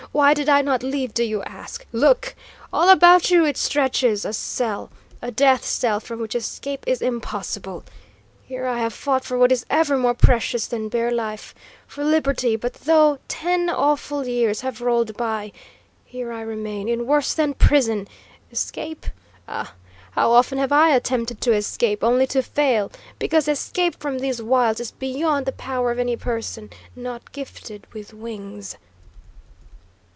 Why did I not leave, do you ask? Look! All about you it stretches: a cell, a death cell, from which escape is impossible! Here I have fought for what is ever more precious than bare life: for liberty; but though ten awful years have rolled by, here I remain, in worse than prison! Escape? Ah, how often have I attempted to escape, only to fail, because escape from these wilds is beyond the power of any person not gifted with wings!"